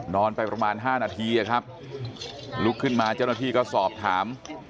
นอนไปประมาณ๕นาทีครับลุกขึ้นมาเจ้าหน้าที่ก็สอบถาม